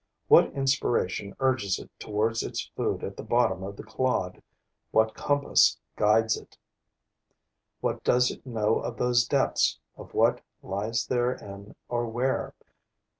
What inspiration urges it towards its food at the bottom of the clod, what compass guides it? What does it know of those depths, of what lies therein or where?